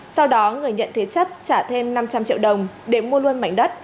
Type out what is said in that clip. sau đó người nhận thế chấp trả thêm năm trăm linh triệu đồng để mua luôn mảnh đất